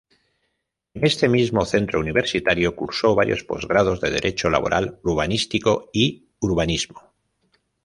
En este mismo centro universitario, cursó varios posgrados de Derecho Laboral, Urbanístico y Urbanismo.